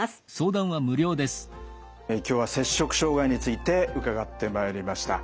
今日は摂食障害について伺ってまいりました。